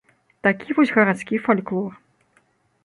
Такі вось гарадскі фальклор.